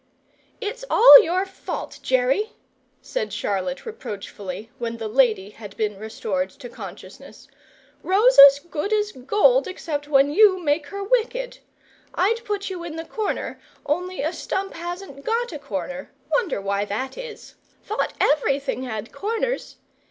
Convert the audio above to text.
"It's all your fault, Jerry," said Charlotte, reproachfully, when the lady had been restored to consciousness: "Rosa's as good as gold, except when you make her wicked. I'd put you in the corner, only a stump hasn't got a corner wonder why that is? Thought everything had corners.